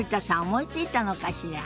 思いついたのかしら。